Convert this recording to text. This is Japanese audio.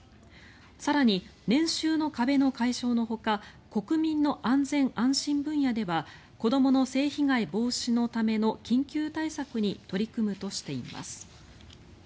更に、年収の壁の解消のほか国民の安全・安心分野ではこどもの性被害防止のための緊急対策に取り組むとしています。